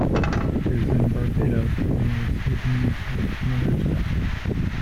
He was in Barbados when he received news of his mother's death.